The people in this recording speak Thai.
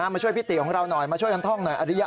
มาช่วยพี่ติของเราหน่อยมาช่วยกันท่องหน่อยอริยะ